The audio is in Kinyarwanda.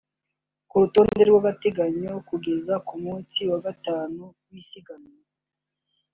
Ku rutonde rw’agateganyo kugeza ku munsi wa gatanu w’isiganwa